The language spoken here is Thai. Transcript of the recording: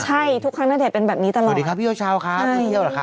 ใช่ทุกครั้งน่าจะเป็นแบบนี้ตลอดสวัสดีครับพี่เชาครับพี่เชาหรอครับ